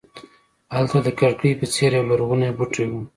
هلته د کړکۍ په څېر یولرغونی بوټی و.